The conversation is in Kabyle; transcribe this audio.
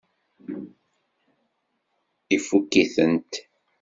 Ifukk-itent?